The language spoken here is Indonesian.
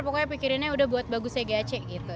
pokoknya pikirin aja udah buat bagusnya gac gitu